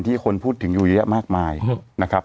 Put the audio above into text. คนพูดถึงอยู่เยอะมากมายนะครับ